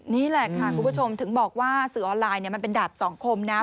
นี่แหละค่ะคุณผู้ชมถึงบอกว่าสื่อออนไลน์มันเป็นดาบสองคมนะ